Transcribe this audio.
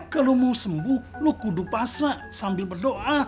kalau mau sembuh lo kudu paslah sambil berdoa